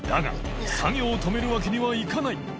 世作業を止めるわけにはいかない稈